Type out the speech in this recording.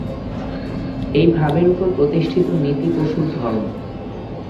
এই ভাবের উপর প্রতিষ্ঠিত নীতি পশুর ধর্ম।